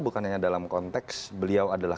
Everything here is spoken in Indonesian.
bukan hanya dalam konteks beliau adalah